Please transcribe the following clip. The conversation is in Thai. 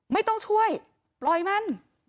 ไม่ต้องช่วยปล่อยมัน